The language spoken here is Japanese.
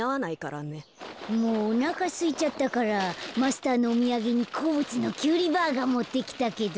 もうおなかすいちゃったからマスターのおみやげにこうぶつのキュウリバーガーもってきたけど